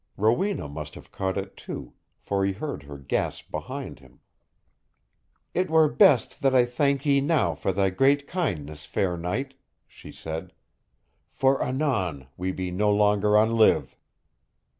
Rowena must have caught it, too, for he heard her gasp behind him. "It were best that I thanked ye now for thy great kindness, fair knight," she said, "for anon we be no longer on live."